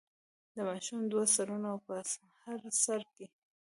د ماشوم دوه سرونه او په هر سر کې.